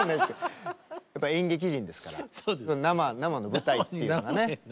やっぱ演劇人ですから生の舞台っていうのがね